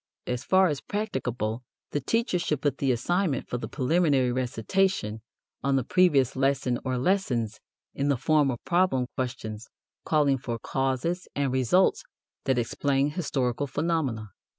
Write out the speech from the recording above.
As far as practicable the teacher should put the assignment for the preliminary recitation on the previous lesson or lessons in the form of problem questions calling for causes and results that explain historical phenomena.